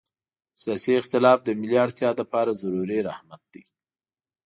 سیاسي اختلاف د ملي اړتیا لپاره ضروري رحمت ده.